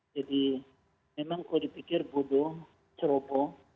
jadi memang kalau dipikir bodoh ceroboh